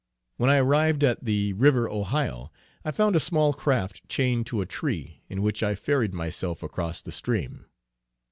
When I arrived at the river Ohio, I found a small craft chained to a tree, in which I ferried myself across the stream.